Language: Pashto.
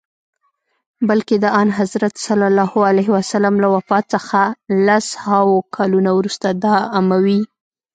بلکه د آنحضرت ص له وفات څخه لس هاوو کلونه وروسته د اموي.